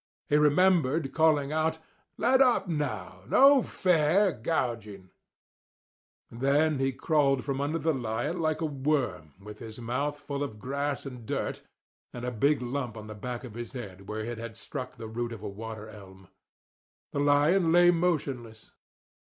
He remembered calling out: "Let up, now—no fair gouging!" and then he crawled from under the lion like a worm, with his mouth full of grass and dirt, and a big lump on the back of his head where it had struck the root of a water elm. The lion lay motionless.